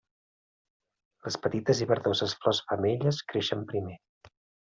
Les petites i verdoses flors femelles creixen primer.